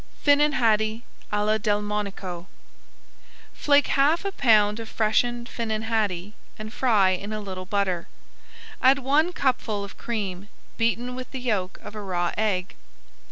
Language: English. FINNAN HADDIE À LA DELMONICO Flake half a pound of freshened finnan haddie, and fry in a little butter. Add one cupful of cream beaten with the yolk of a raw egg.